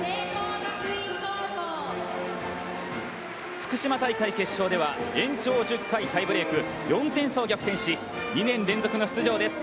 福島大会決勝では延長１０回タイブレークを制し、２年連続の出場です。